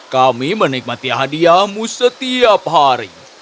kami menikmati hadiahmu setiap hari